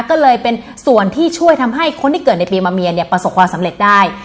ก็เลยเป็นส่วนที่ช่วยทำให้คนที่เกิดในปีมะเมียเนี่ยประสบความสำเร็จได้